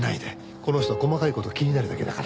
この人細かい事が気になるだけだから。